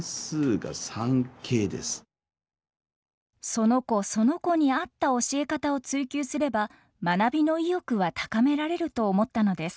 その子その子に合った教え方を追求すれば学びの意欲は高められると思ったのです。